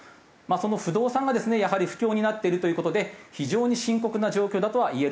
その不動産がですねやはり不況になっているという事で非常に深刻な状況だとはいえると思います。